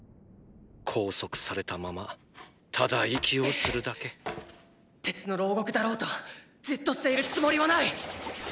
拘束されたままただ息をするだけ鉄の牢獄だろうとじっとしているつもりはない！